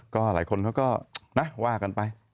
ก็หลายคนเขาก็นะว่ากันไป